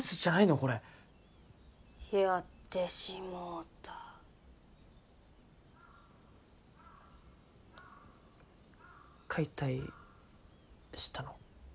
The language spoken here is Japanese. これやってしもうた解体したの？